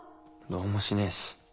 どうもしねえし。